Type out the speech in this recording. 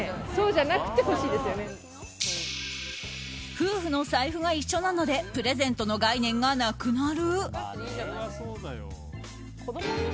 夫婦の財布が一緒なのでプレゼントの概念がなくなる。